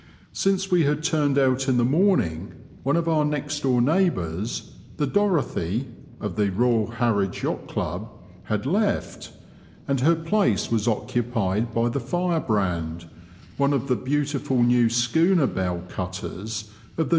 Since we had turned out in the morning, one of our next door neighbours — the Dorothy, of the K.H.Y.C. — had left, and her place was occupied by the Firebrand, one of the beautiful new schooner bow cutters of the N.